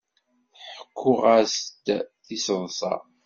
Tḥekku-aɣ-d tiseḍsa.